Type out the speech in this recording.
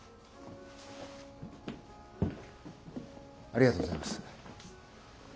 ありがとうございます。